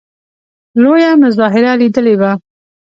لویه مظاهره لیدلې وه.